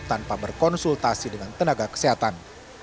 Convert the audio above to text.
tanpa berkonsultasi dengan tenaga kesehatan